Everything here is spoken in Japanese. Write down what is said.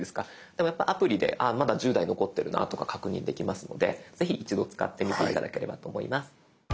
やっぱりアプリでまだ１０台残ってるなとか確認できますのでぜひ一度使ってみて頂ければと思います。